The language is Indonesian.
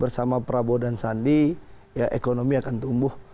bersama prabowo dan sandi ekonomi akan tumbuh